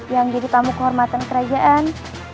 yang jadi tamu kehormatan kerajaan